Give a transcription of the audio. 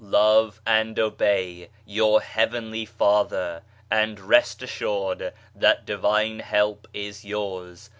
Love and obey your Heavenly Father, and rest assured that Divine help is yours.